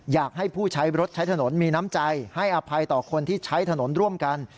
อยากให้ผู้ใช้รถใช้ถนนมีน้ำใจให้อภัยต่อคนที่ใช้ถนนร่วมกัน